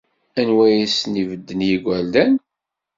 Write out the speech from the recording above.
Anwa ay asen-ibedden i yigerdan?